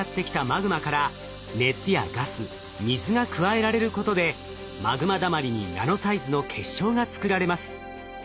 マグマから熱やガス水が加えられることでマグマだまりにナノサイズの結晶が作られます。